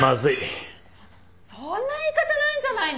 ちょっとそんな言い方ないんじゃないの！？